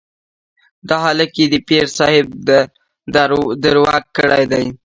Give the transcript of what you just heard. دا هلک يې د پير صاحب دروږ کړی دی.